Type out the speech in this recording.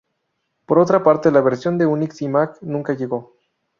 Por otra parte, la versión de Unix y Mac nunca llegó.